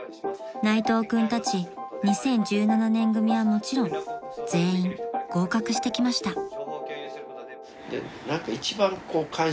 ［内藤君たち２０１７年組はもちろん全員合格してきました］